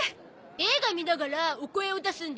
映画見ながらお声を出すんでしょ？